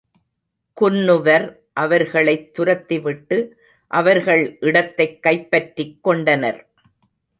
குன்னுவர் அவர்களைத் துரத்திவிட்டு, அவர்கள் இடத்தைக் கைப்பற்றிக் கொண்டனர்.